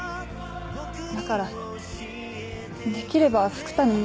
だからできれば福多に。